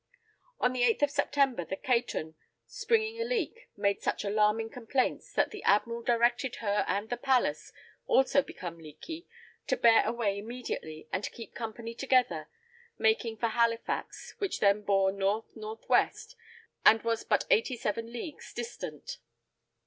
On the 8th of September the Caton springing a leak, made such alarming complaints, that the Admiral directed her and the Pallas, also become leaky, to bear away immediately, and keep company together, making for Halifax, which then bore North North West and was but eighty seven leagues distant.